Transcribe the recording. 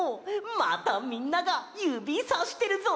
またみんながゆびさしてるぞ！